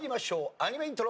アニメイントロ。